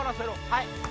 はい。